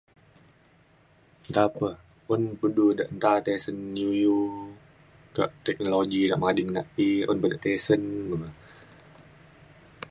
nta pe un un du da tisen iu iu kak teknologi yak mading na e un be tisen me